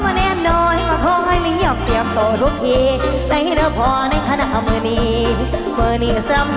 มันวาดเท้าใจมันวาดเท้าใจสาโทษกาเสียมว่า